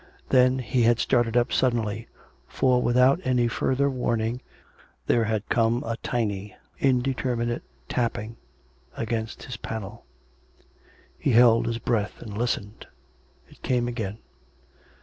Then he had started up suddenly, for without any further warning there had come a tiny indeterminate tapping against his panel. He held his breath and listened. It came again.